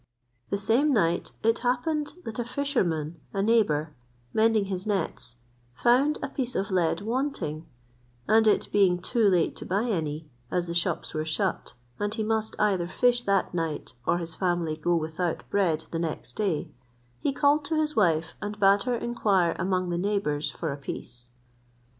The same night it happened that a fisherman, a neighbour, mending his nets, found a piece of lead wanting; and it being too late to buy any, as the shops were shut, and he must either fish that night, or his family go without bread the next day, he called to his wife and bade her inquire among the neighbours for a piece.